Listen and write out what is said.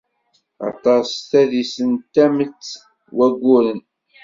Attas s tadist n tamet wayyuren.